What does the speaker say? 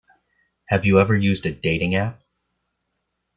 Have you ever used a dating app?